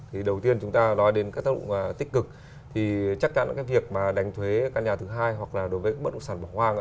thì đầu tiên chúng ta nói đến các tác động tích cực thì chắc chắn là cái việc mà đánh thuế căn nhà thứ hai hoặc là đối với bất động sản bỏ hoang